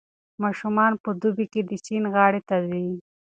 ماشومان په دوبي کې د سیند غاړې ته ځي.